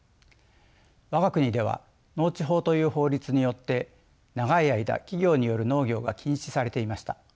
我が国では農地法という法律によって長い間企業による農業が禁止されていました。